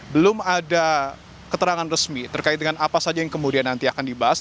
belum ada keterangan resmi terkait dengan apa saja yang kemudian nanti akan dibahas